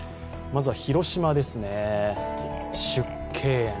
まずは広島です、縮景園。